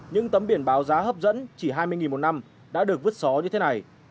những tấm biển báo giá hấp dẫn chỉ hai mươi một năm đã được vứt gió như thế này